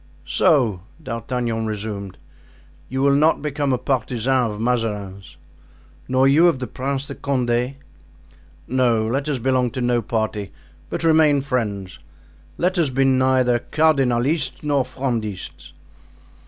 "So," D'Artagnan resumed, "you will not become a partisan of Mazarin's?" "Nor you of the Prince de Condé?" "No, let us belong to no party, but remain friends; let us be neither Cardinalists nor Frondists."